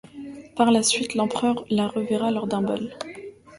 Par la suite, l'Empereur la reverra lors d'un bal.